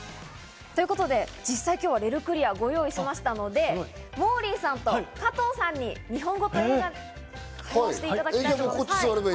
ということで実際に今日はレルクリアをご用意しましたので、モーリーさんと加藤さんに日本語と英語で会話をしていただきます。